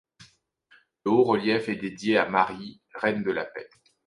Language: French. Le haut-relief est dédié à Marie, reine de la paix.